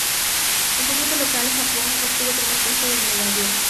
El conjunto local, Japón, obtuvo el primer puesto del medallero.